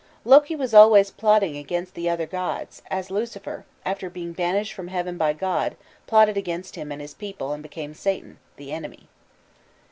Loki was always plotting against the other gods, as Lucifer, after being banished from Heaven by God, plotted against him and his people, and became Satan, "the enemy."